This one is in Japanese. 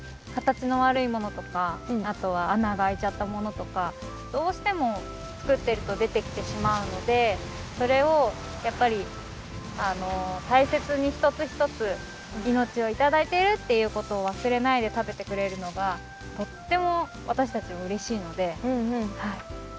形のわるいものとかあとはあながあいちゃったものとかどうしてもつくっているとでてきてしまうのでそれをやっぱりたいせつにひとつひとついのちをいただいているっていうことをわすれないでたべてくれるのがとってもわたしたちはうれしいので。